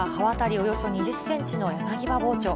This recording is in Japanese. およそ２０センチの柳刃包丁。